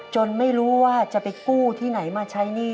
ไม่รู้ว่าจะไปกู้ที่ไหนมาใช้หนี้